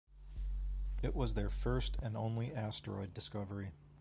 It was their first and only asteroid discovery.